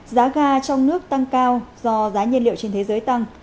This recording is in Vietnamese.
giá ga trong nước tăng cao do giá nhiên liệu trên thế giới tăng